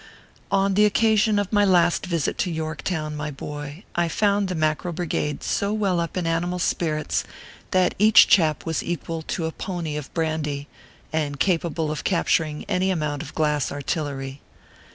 On the occasion of my last visit to Yorktown, my boy, I found the Mackerel Brigade so well up in ani mal spirits that each chap was equal to a pony of brandy, and capable of capturing any amount of glass artillery.